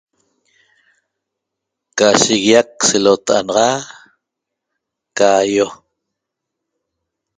Ca shiguiac selota'a naxa caaýo